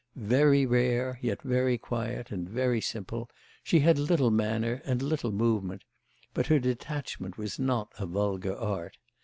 Very rare, yet very quiet and very simple, she had little manner and little movement; but her detachment was not a vulgar art.